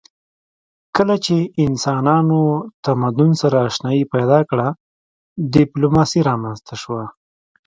کله چې انسانانو تمدن سره آشنايي پیدا کړه ډیپلوماسي رامنځته شوه